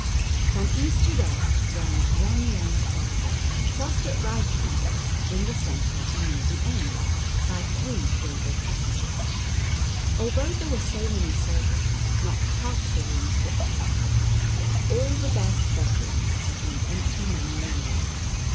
From east to west ran one long corridor, crossed at right angles, in the centre and near the ends, by three gable passages. Although there were so many servants, not half the rooms were occupied: all the best bedrooms had been empty many a year.